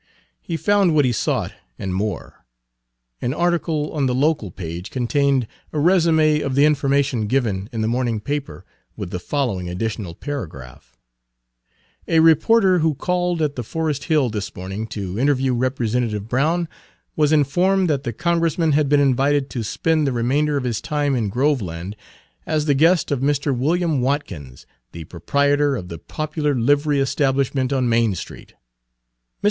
He found what he sought and more. An article on the local page contained a résuméof the information given in the morning paper, with the following additional paragraph: "A reporter, who called at the Forest Hill this morning to interview Representative Brown, was informed that the Congressman had been invited to spend the remainder of his time in Groveland as the guest of Mr. William Watkins, the proprietor of the popular livery establishment on Main Street. Mr.